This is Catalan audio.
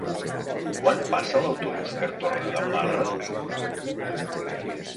Quan passa l'autobús per Torredembarra?